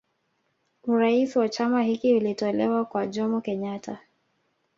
Urais wa chama hiki ulitolewa kwa Jomo Kenyatta